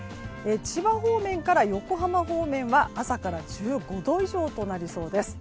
千葉方面から横浜方面は朝から１５度以上となりそうです。